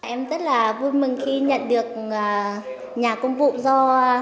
em rất là vui mừng khi nhận được nhà công vụ do